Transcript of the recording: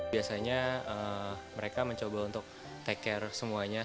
biasanya mereka mencoba untuk take care semuanya